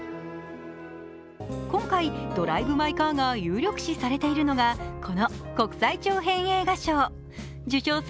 今回、「ドライブ・マイ・カー」が有力視されているのがこの国際長編映画賞。